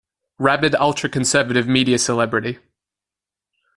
Rabid- Ultra-conservative media celebrity.